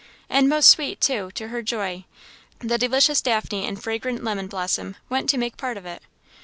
And most sweet, too; to her joy, the delicious daphne and fragrant lemon blossom went to make part of it.